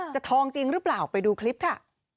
ทองจริงหรือเปล่าไปดูคลิปค่ะ